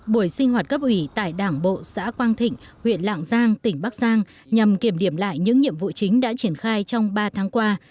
buổi sinh hoạt cấp ủy tại đảng bộ xã quang thịnh huyện lạng giang tỉnh bắc giang nhằm kiểm điểm lại những nhiệm vụ chính đã triển khai trong ba tháng qua